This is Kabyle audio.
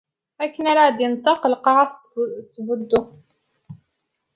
Akken ara d-inṭeq, lqaɛa tettdubu.